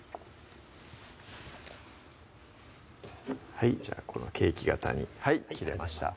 はいじゃあこのケーキ型にはい切れました